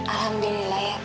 alhamdulillah ya kak